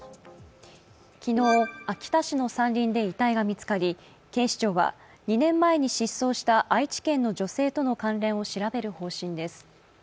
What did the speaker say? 昨日、秋田市の山林で遺体が見つかり警視庁は２年前に疾走した愛知県の女性との関連を調べる方針です。